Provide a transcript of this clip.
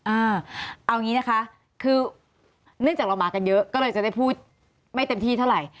เอาอย่างนี้นะคะคือเนื่องจากเรามากันเยอะก็เลยจะได้พูดไม่เต็มที่เท่าไหร่